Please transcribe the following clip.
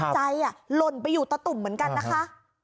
หล่นไปอยู่ตะตุ่มเหมือนกันนะคะ